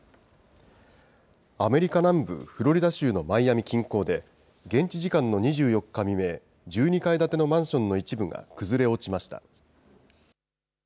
アメリカ南部フロリダ州のマイアミ近郊で、現地時間の２４日未明、１２階建てのマンションの一部が崩れ落ちました。